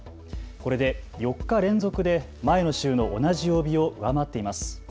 これで４日連続で前の週の同じ曜日を上回っています。